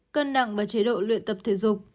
cân nặng và chế độ luyện tập thể dục